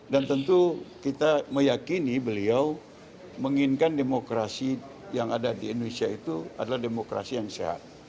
dan tentu kita meyakini beliau menginginkan demokrasi yang ada di indonesia itu adalah demokrasi yang sehat